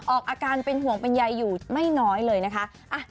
ออกอาการเป็นห่วงเป็นใยอยู่ไม่น้อยเลยนะคะ